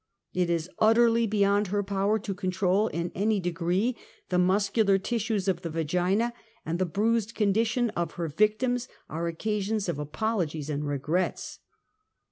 It is utterly beyond her power to control in any degree the muscular tissues of the vagina, and the bruised condition of her victims are occasions of ^apologies and regrets.